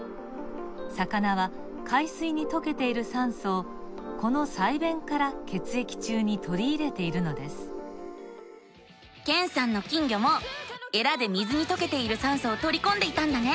魚は海水にとけている酸素をこの鰓弁から血液中にとりいれているのですけんさんの金魚もえらで水にとけている酸素をとりこんでいたんだね。